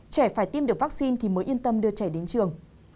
trẻ phải tiêm được vaccine thì mới yên tâm đưa trẻ đến trường